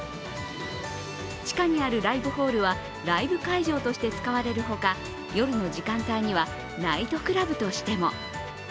地下にあるライブホールはライブ会場として使われるほか、夜の時間帯にはナイトクラブとしても。